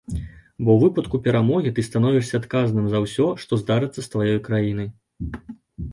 Бо ў выпадку перамогі ты становішся адказным за ўсё, што здарыцца з тваёй краінай.